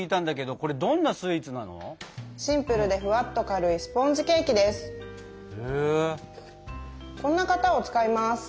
こんな型を使います。